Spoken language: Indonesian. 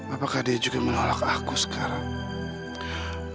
apakah dia juga menolak aku sekarang